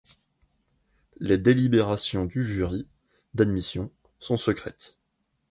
Les délibérations du jury d'admission sont secrètes.